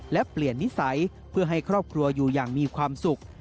และเปลี่ยนนิสัยเพื่อให้ครอบครัวอยู่อย่างมีความสุข